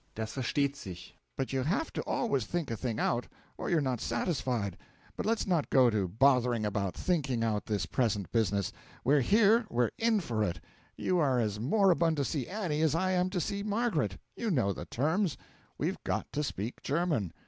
Das versteht sich; but you have to always think a thing out, or you're not satisfied. But let's not go to bothering about thinking out this present business; we're here, we're in for it; you are as moribund to see Annie as I am to see Margaret; you know the terms: we've got to speak German.